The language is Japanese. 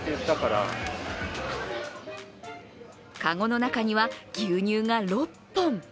籠の中には牛乳が６本。